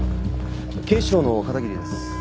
警視庁の片桐です。